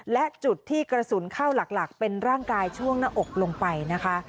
และจุดที่กระสุนเข้าหลักเป็นร่างกายช่วงหน้าอกลงไปนะคะ